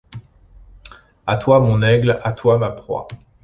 A toi, mon aigle, à toi, ma proie